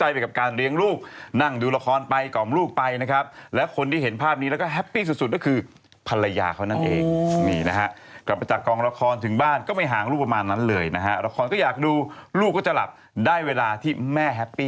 จัดการสิ่งสกระป๋อกที่มองไม่เห็นต้นเหตุกลิ่นอัพ